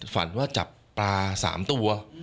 ฝันว่าจับปลา๓ตัว